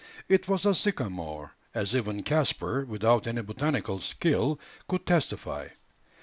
It was a sycamore, as even Caspar, without any botanical skill, could testify.